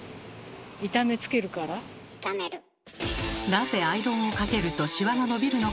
なぜアイロンをかけるとシワが伸びるのかも知らずに